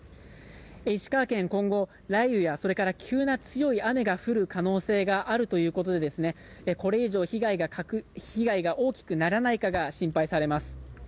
石川県、今後、雷雨や急な強い雨が降る可能性があるということで、これ以上被害が大きくならないかが心配されます。